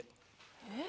えっ？